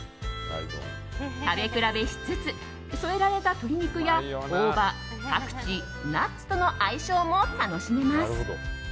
食べ比べしつつ添えられた鶏肉や大葉、パクチー、ナッツとの相性も楽しめます。